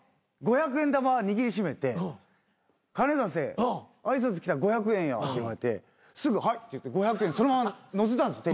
玉握り締めて「金出せ挨拶来たら５００円や」って言われてすぐはいって言って５００円そのままのせたんです。